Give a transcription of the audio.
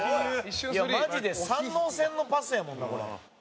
「マジで山王戦のパスやもんなこれ」